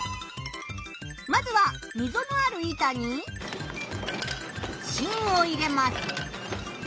まずは溝のある板に芯を入れます。